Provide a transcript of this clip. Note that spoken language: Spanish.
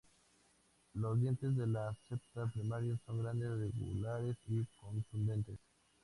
Los dientes de los septa primarios son grandes, regulares y contundentes.